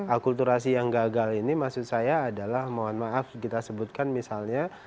akulturasi yang gagal ini maksud saya adalah mohon maaf kita sebutkan misalnya